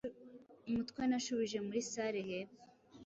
Umutwe Nashubije muri salle hepfo